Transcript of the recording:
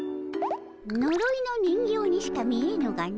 のろいの人形にしか見えぬがの。